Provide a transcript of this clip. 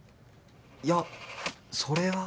いやそれは。